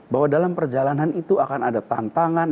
bahwa dalam perjalanan itu akan ada tantangan